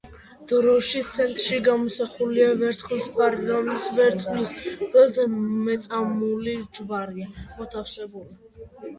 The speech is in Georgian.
დროშის ცენტრში გამოსახულია ვერცხლის ფარი, რომლის ვერცხლის ველზე მეწამული ჯვარია მოთავსებული.